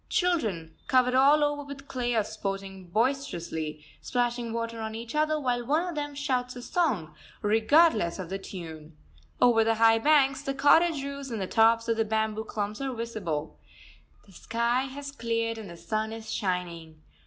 Children, covered all over with clay, are sporting boisterously, splashing water on each other, while one of them shouts a song, regardless of the tune. Over the high banks, the cottage roofs and the tops of the bamboo clumps are visible. The sky has cleared and the sun is shining.